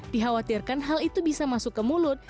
dikhawatirkan hal itu bisa masuk ke mulut